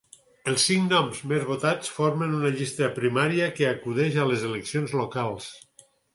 Els cinc noms més votats formen una llista primària que acudeix a les eleccions locals.